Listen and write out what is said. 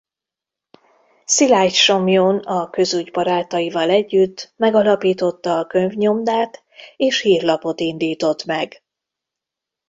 Szilágysomlyón a közügy barátaival együtt megalapította a könyvnyomdát és hírlapot indított meg.